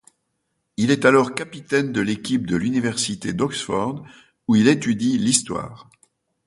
Il est alors capitaine de l'équipe de l'Université d'Oxford, où il étudie l'Histoire.